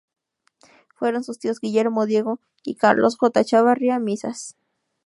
Fueron sus tíos Guillermo, Diego y Carlos J. Echavarría Misas.